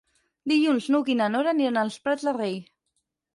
Dilluns n'Hug i na Nora aniran als Prats de Rei.